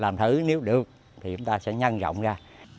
làm thử nếu được thì chúng ta sẽ nhân rộng ra